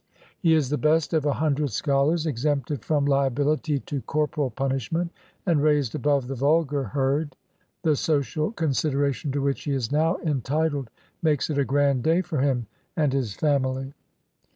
He is the best of a hundred scholars, exempted from liability to corporal punishment, and raised above the vulgar herd. The social consideration to which he is now en titled makes it a grand day for him and his family.